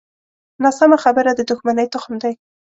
ناسمه خبره د دوښمنۍ تخم دی